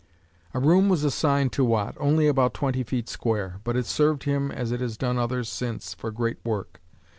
A room was assigned to Watt, only about twenty feet square, but it served him as it has done others since for great work.